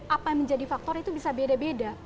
apa yang menjadi faktor itu bisa beda beda